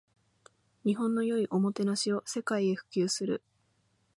日本の良いおもてなしを世界へ普及する